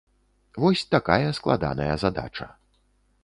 Вось такая складаная задача.